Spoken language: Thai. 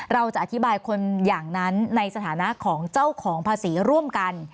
เราจะอธิบายคนอย่างนั้นในสถานะของเจ้าของภาษีร่วมกัน